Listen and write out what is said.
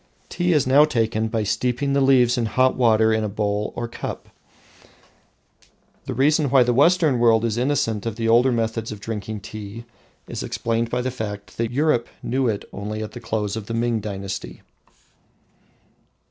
Tea is now taken by steeping the leaves in hot water in a bowl or cup. The reason why the Western world is innocent of the older method of drinking tea is explained by the fact that Europe knew it only at the close of the Ming dynasty.